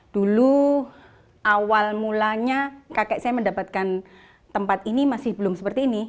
dulu awal mulanya kakek saya mendapatkan tempat ini masih belum seperti ini